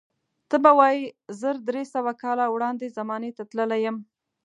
ته به وایې زر درې سوه کاله وړاندې زمانې ته تللی یم.